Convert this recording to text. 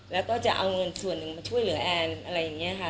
แล้วก็จะเอาเงินส่วนหนึ่งมาช่วยเหลือแอนอะไรอย่างนี้ค่ะ